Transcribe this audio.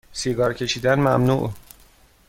سیگار کشیدن ممنوع